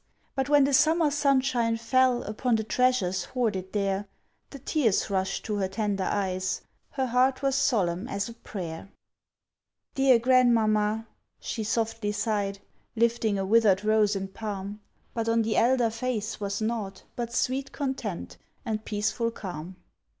But when the summer sunshine fell Upon the treasures hoarded there, The tears rushed to her tender eyes, Her heart was solemn as a prayer. "Dear Grandmamma," she softly sighed, Lifting a withered rose and palm; But on the elder face was naught But sweet content and peaceful calm.